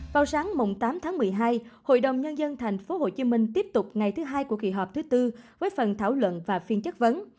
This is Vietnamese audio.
vào sáng tám tháng một mươi hai hội đồng nhân dân thành phố hồ chí minh tiếp tục ngày thứ hai của kỳ họp thứ tư với phần thảo luận và phiên chất vấn